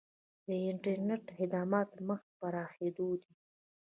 د انټرنیټ خدمات مخ په پراخیدو دي